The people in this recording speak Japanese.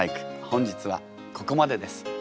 本日はここまでです。